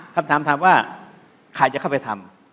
คำถามถามว่าใครจะเข้าไปทำ